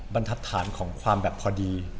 บันทัดฐานของความแบบพอดี